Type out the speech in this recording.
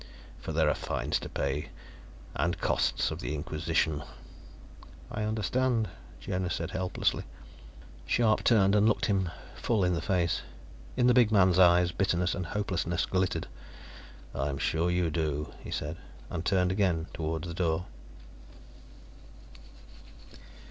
For there are fines to pay, and costs of the Inquisition." "I understand," Jonas said helplessly. Scharpe turned and looked him full in the face. In the big man's eyes, bitterness and hopelessness glittered. "I am sure you do," he said, and turned again toward the door.